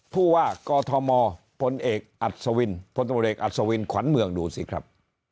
ผู้ว่ากอทมพลเอกอัศวินพลตำรวจเอกอัศวินขวัญเมืองดูสิครับ